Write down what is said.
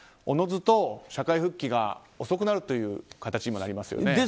自ずと社会復帰が遅くなる形になりますよね。